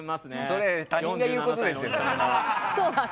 それは他人が言うことですよ。